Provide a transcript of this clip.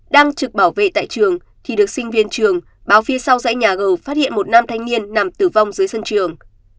đang trực bảo vệ tại trường thì được sinh viên trường báo phía sau dãy nhà gầu phát hiện một nam thanh niên nằm tử vong dưới sân trường